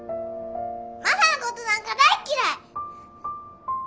マサのことなんか大嫌い！